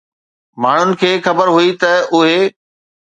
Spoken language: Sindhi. ماڻهن کي خبر هئي ته اهي